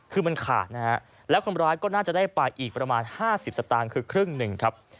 คือมันขาดนะฮะแล้วคนร้ายก็น่าจะได้ไปอีกประมาณ๕๐สตางค์คือครึ่งหนึ่งครับ